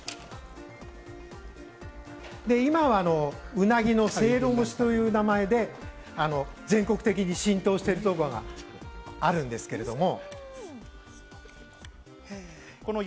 今はうなぎのせいろ蒸しという名前で全国的に浸透しているところがあるんですけれども。